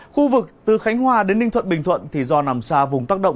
khu vực từ khánh hòa đến ninh thuận bình thuận thì do nằm xa vùng tác động